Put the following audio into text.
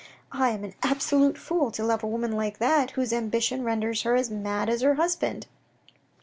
" I am an absolute fool to love a woman like that, whose ambition renders her as mad as her husband."